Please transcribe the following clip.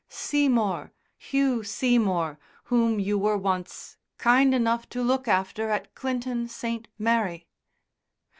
"Seymour Hugh Seymour whom you were once kind enough to look after at Clinton St. Mary."